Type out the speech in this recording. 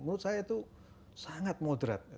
menurut saya itu sangat moderat